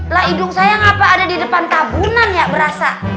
lah hidung saya ngapa ada di depan tabunan ya berasa